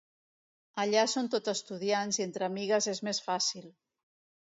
Allà són tot estudiants i entre amigues és més fàcil.